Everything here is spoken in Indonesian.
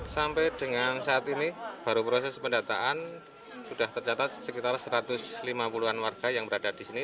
sampai dengan saat ini baru proses pendataan sudah tercatat sekitar satu ratus lima puluh an warga yang berada di sini